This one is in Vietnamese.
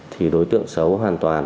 thì đối tượng xấu hoàn toàn